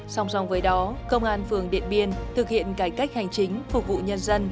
song song với đó công an phường điện biên thực hiện cải cách hành chính phục vụ nhân dân